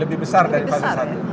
lebih besar dari fase satu